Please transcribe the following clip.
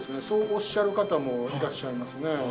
そうおっしゃる方もいらっしゃいますね。